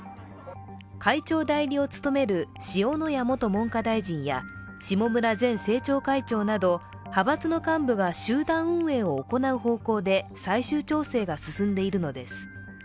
会長代理を務める塩谷元文科大臣や下村前政調会長など派閥の幹部が集団運営を行う方向で最終調整が進んでいるのです。